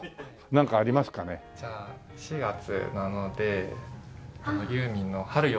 じゃあ４月なのでユーミンの『春よ、来い』とか。